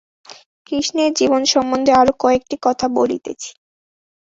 কৃষ্ণের জীবন সম্বন্ধে আরও কয়েকটি কথা বলিতেছি।